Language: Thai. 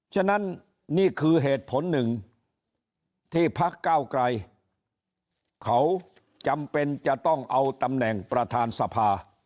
ฉะนั้นนี่คือเหตุผลหนึ่งที่พักเก้าไกรเขาจำเป็นจะต้องเอาตำแหน่งประธานสภา